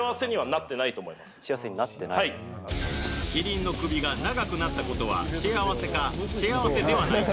キリンの首が長くなった事は幸せか幸せではないか